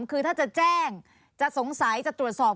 คือถ้าจะแจ้งจะสงสัยจะตรวจสอบ